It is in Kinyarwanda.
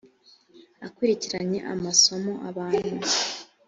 akurikiranye amasomo abantu.